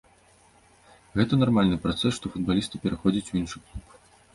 Гэта нармальны працэс, што футбалісты пераходзяць у іншы клуб.